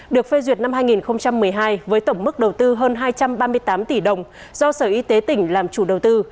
được phê duyệt năm hai nghìn một mươi hai với tổng mức đầu tư hơn hai trăm ba mươi tám tỷ đồng do sở y tế tỉnh làm chủ đầu tư